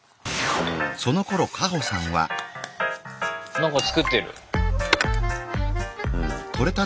なんか作ってる。